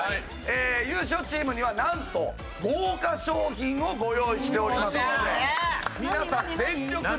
優勝チームにはなんと豪華賞品をご用意しておりますので皆さん全力で。